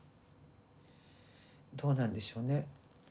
どうなんでしょうね。